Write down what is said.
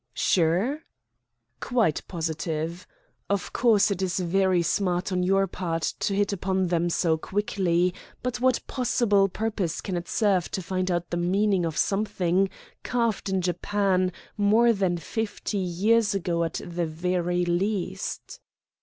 "Sure?" "Quite positive. Of course, it is very smart on your part to hit upon them so quickly, but what possible purpose can it serve to find out the meaning of something carved in Japan more than fifty years ago, at the very least?"